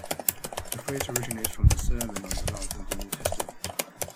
The phrase originates from the Sermon on the Mount in the New Testament.